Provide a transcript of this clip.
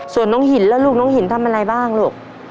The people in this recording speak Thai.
ส่วนน้องหินแล้วลูกน้องหินทำอะไรบ้างลูก